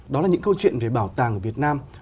đó là những câu chuyện về bảo tàng ở việt nam